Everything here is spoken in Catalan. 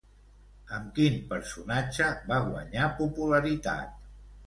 Amb quin personatge va guanyar popularitat?